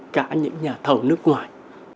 cả những nhà thầu nước ngoài